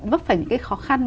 vấp phải những cái khó khăn